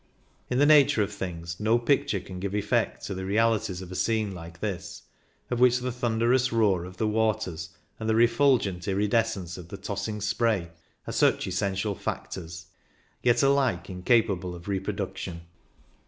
In the nature of things no picture can give effect to the realities of a scene like this, of which the thunderous roar of the waters and the refulgent iridescence of the tossing spray are such essential £Etctors, yet alike in capable of reproduction.